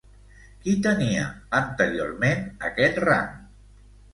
Qui tenia, anteriorment, aquest rang?